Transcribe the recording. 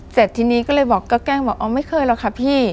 เสร็จทีนี้ก็เลยบอกก็แกล้งบอกอ๋อไม่เคยหรอกค่ะพี่